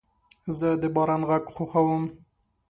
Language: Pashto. زه د باران غږ خوښوم.